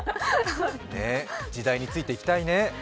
時代についていきたいね。